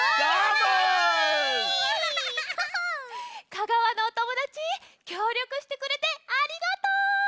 香川のおともだちきょうりょくしてくれてありがとう！